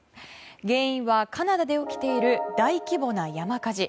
原因はカナダで起きている大規模な山火事。